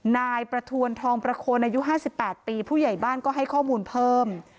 นายประทวนทองประโคนอายุ๕๘ปีผู้ใหญ่บ้านก็ให้ข้อมูลเพิ่ม